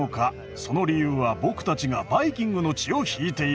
その理由は僕たちがバイキングの血を引いているから。